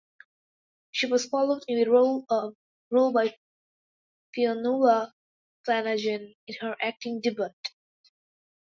She was followed in the role by Fionnula Flanagan in her acting debut.